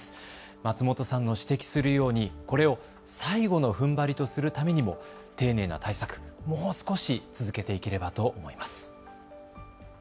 松本さんの指摘するように、これを最後のふんばりとするためにも丁寧な対策、もう少し続けていければと思います。